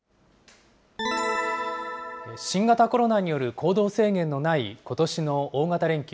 新型コロナによる行動制限のないことしの大型連休。